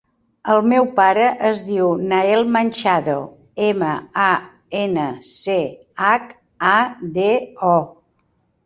El meu pare es diu Nael Manchado: ema, a, ena, ce, hac, a, de, o.